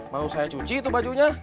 mau saya cuci itu bajunya